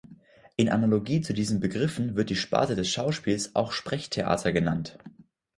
In Analogie zu diesen Begriffen wird die Sparte des Schauspiels auch Sprechtheater genannt.